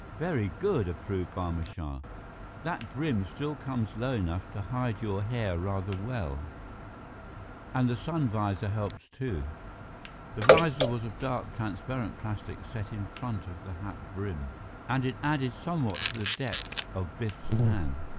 "Very good," approved Barma Shah. "That brim still comes low enough to hide your hair rather well, and the sun visor helps too." The visor was of dark, transparent plastic set in the front of the hat brim, and it added somewhat to the depth of Biff's tan.